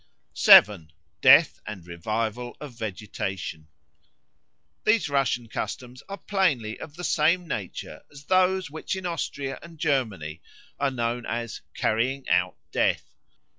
7. Death and Revival of Vegetation THESE Russian customs are plainly of the same nature as those which in Austria and Germany are known as "Carrying out Death."